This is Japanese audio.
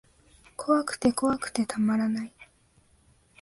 怖くて怖くてたまらない